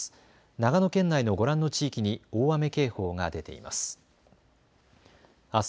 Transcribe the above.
長野県内のご覧の地域に大雨警報が出ています。